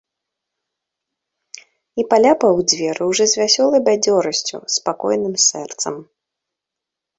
І паляпаў у дзверы ўжо з вясёлай бадзёрасцю, з спакойным сэрцам.